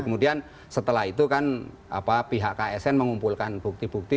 kemudian setelah itu kan pihak ksn mengumpulkan bukti bukti